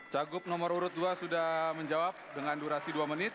cagup nomor urut dua sudah menjawab dengan durasi dua menit